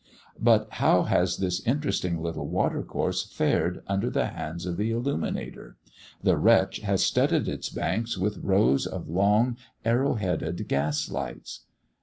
But how has this interesting little water course fared under the hands of the illuminator? The wretch has studded its banks with rows of long arrow headed gas lights.